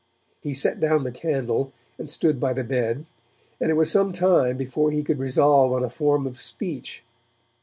He set down the candle and stood by the bed, and it was some time before he could resolve on a form of speech.